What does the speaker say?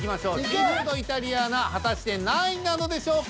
シ―フ―ドイタリア―ナ果たして何位なのでしょうか？